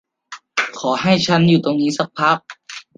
ขอให้ฉันอยู่ตรงนี้สักพัก